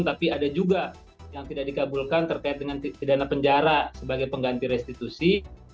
tapi ada juga yang tidak dikabulkan terkait dengan pidana penjara sebagai pengganti restitusi